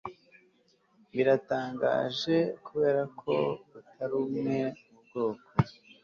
biratangaje 'kuberako utari umwe mubwoko